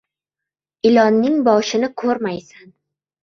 • Ilonning boshini ko‘rmaysan.